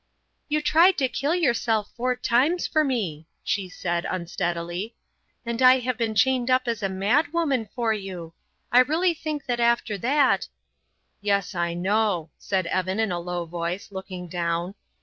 "You tried to kill yourself four times for me," she said, unsteadily, "and I have been chained up as a madwoman for you. I really think that after that " "Yes, I know," said Evan in a low voice, looking down.